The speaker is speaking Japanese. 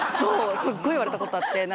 すっごい言われたことあって。